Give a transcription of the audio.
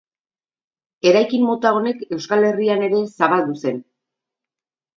Eraikin mota honek Euskal Herrian ere zabaldu zen.